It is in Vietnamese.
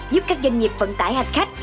giúp các doanh nghiệp vận tải hạch khách